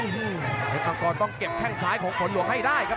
เพชรมังกรต้องเก็บแข้งซ้ายของขนหลวงให้ได้ครับ